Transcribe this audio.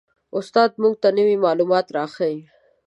استاد موږ ته نوي معلومات را ښیي